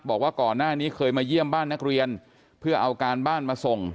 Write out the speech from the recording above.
บอกว่าก่อนหน้านี้เคยมาเยี่ยมบ้านนักเรียนเพื่อเอาการบ้านมาส่ง